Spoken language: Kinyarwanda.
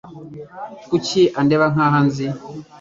Kuki andeba nkaho anzi?